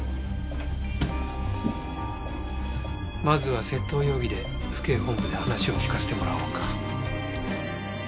まずは窃盗容疑で府警本部で話を聞かせてもらおうか。